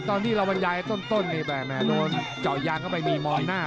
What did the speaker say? ตอนที่เราบรรยายต้นนี่แม่โดนเจาะยางเข้าไปมีมองหน้า